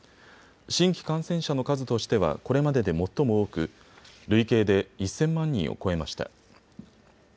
新規感染者の数としてはこれまでで最も多く累計で１０００万人を超えました。